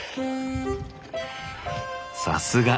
さすが！